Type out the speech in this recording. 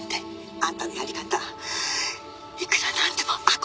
「あんたのやり方いくらなんでも阿漕よ」